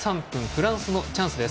フランスのチャンス。